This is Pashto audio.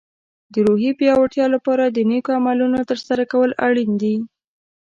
د روحیې د پیاوړتیا لپاره د نیکو عملونو ترسره کول اړین دي.